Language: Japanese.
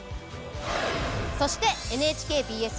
そしてＮＨＫＢＳ